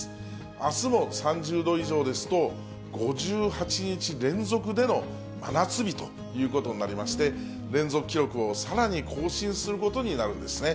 あすも３０度以上ですと、５８日連続での真夏日ということになりまして、連続記録をさらに更新することになるんですね。